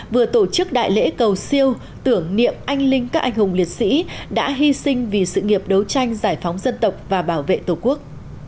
vừa tổ chức đại lễ cầu siêu tưởng niệm anh linh các anh hùng liệt sĩ đã hy sinh vì sự nghiệp đấu tranh giải phóng dân tộc và bảo vệ tổ quốc